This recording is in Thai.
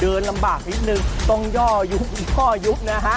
เดินลำบากนิดนึงต้องย่อยุบย่อยุบนะฮะ